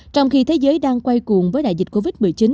trong khi thế giới đang quay cùng với đại dịch covid một mươi chín